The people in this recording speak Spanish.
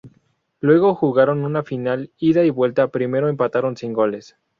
Luego jugaron una final ida y vuelta, primero empataron sin goles.